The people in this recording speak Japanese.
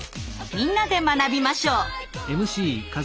みんなで学びましょう！